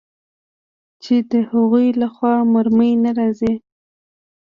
چې د هغوى له خوا مرمۍ نه راځي.